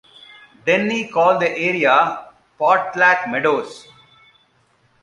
Denny called the area "Potlach Meadows".